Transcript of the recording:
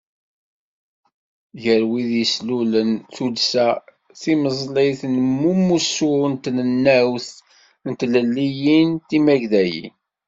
Gar wid i d-yeslulen Tuddsa Timeẓlit n Umussu i Trennawt n Tlelliyin Timagdayin.